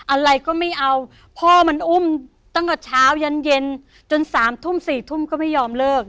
อะไรก็ไม่เอาพ่อมันอุ้มตั้งแต่เช้ายันเย็นจน๓ทุ่ม๔ทุ่มก็ไม่ยอมเลิก